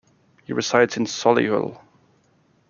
He resides in Solihull.